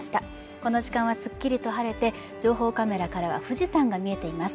この時間はすっきりと晴れて情報カメラからは富士山が見えています